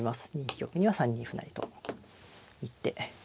２一玉には３二歩成と行って。